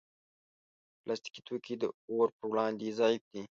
پلاستيکي توکي د اور پر وړاندې ضعیف دي.